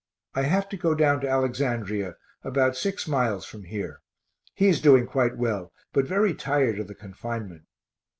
I have to go down to Alexandria, about 6 miles from here. He is doing quite well, but very tired of the confinement.